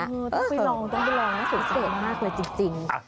ต้องไปลองต้องไปลองนะสวยมากเลยจริง